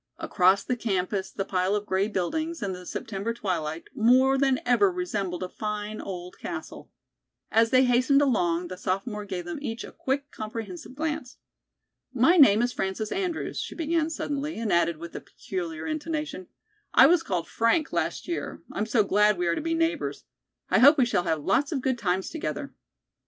Across the campus the pile of gray buildings, in the September twilight, more than ever resembled a fine old castle. As they hastened along, the sophomore gave them each a quick, comprehensive glance. "My name is Frances Andrews," she began suddenly, and added with a peculiar intonation, "I was called 'Frank' last year. I'm so glad we are to be neighbors. I hope we shall have lots of good times together."